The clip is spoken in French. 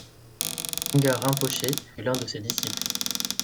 Tenga Rinpoché fut l'un de ses disciples.